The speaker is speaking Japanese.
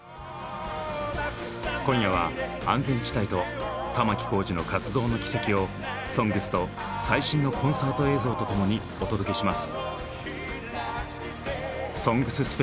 今夜は安全地帯と玉置浩二の活動の軌跡を「ＳＯＮＧＳ」と最新のコンサート映像と共にお届けします。